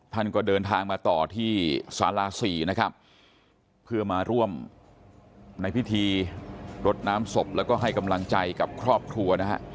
ท่านก็เดินทางมาต่อที่สาราสี่นะครับเพื่อมาร่วมในพิธีรดน้ำศพแล้วก็ให้กำลังใจกับครอบครัวนะฮะ